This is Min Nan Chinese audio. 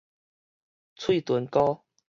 喙脣膏